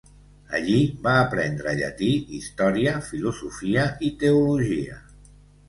Allí va aprendre llatí, història, filosofia i teologia.